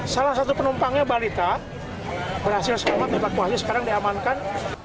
salah satu penumpangnya balita berhasil selamat evakuasi sekarang diamankan